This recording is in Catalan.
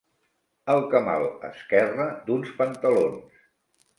El camal esquerre d'uns pantalons.